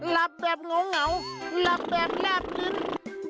รับแบบเหงารับแบบแน่ปีิน